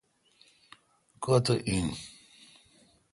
کو°تھہ ان